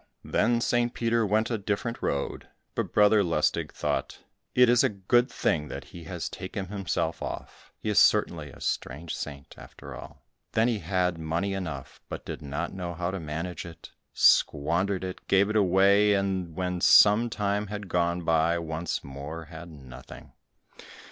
Then St. Peter went a different road, but Brother Lustig thought, "It is a good thing that he has taken himself off, he is certainly a strange saint, after all." Then he had money enough, but did not know how to manage it, squandered it, gave it away, and and when some time had gone by, once more had nothing.